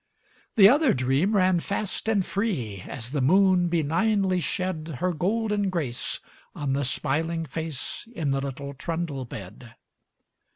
The other dream ran fast and free, As the moon benignly shed Her golden grace on the smiling face In the little trundle bed.